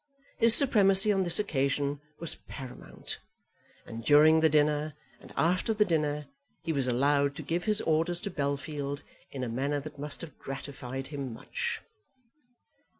His supremacy on this occasion was paramount, and during the dinner, and after the dinner, he was allowed to give his orders to Bellfield in a manner that must have gratified him much.